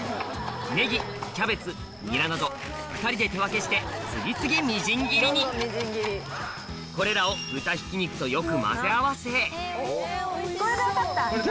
ネギキャベツニラなど２人で手分けして次々みじん切りにこれらを豚ひき肉とよく混ぜ合わせこれで分かった。